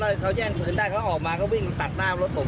ถ้าเขาแย่งปืนได้เขาออกมาก็วิ่งตัดหน้ารถผม